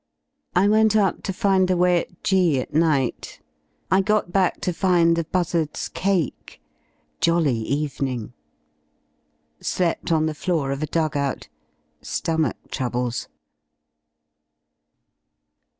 I went up to find the way at G at night. I got back to find a Bustard's cake — jolly evening. Slept on the floor of a dug out. Stomach troubles.